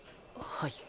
はい。